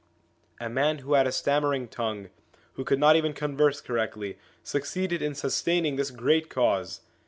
A man who had a stammering tongue, who could not even converse correctly, succeeded in sustaining this great Cause